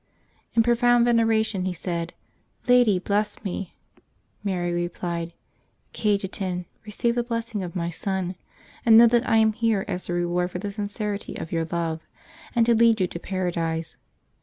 In profound venera tion, he said, " Lady, bless me !" Mary replied, " Cajetan, receive the blessing of my Son, and know that I am here as a reward for the sincerity of your love, and to lead you to paradise."